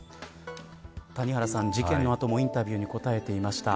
谷原さん事件の後もインタビューに答えていました。